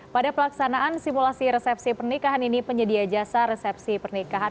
pada pelaksanaan simulasi resepsi pernikahan ini penyedia jasa resepsi pernikahan